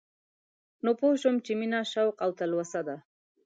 نو پوه شوم چې مينه شوق او تلوسه ده